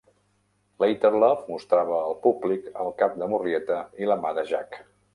"Later Love" mostrava al públic el cap de Murrieta i la mà de Jack.